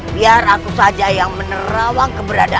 biar aku saja yang menerawang keberadaan